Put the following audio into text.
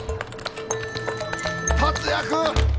達也君！